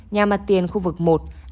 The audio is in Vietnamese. nhà mặt tiền khu vực một